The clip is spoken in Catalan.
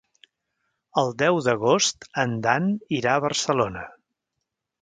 El deu d'agost en Dan irà a Barcelona.